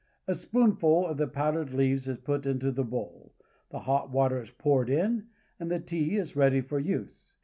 A spoonful of the powdered leaves is put into the bowl, the hot water is poured in, and the tea is ready for use.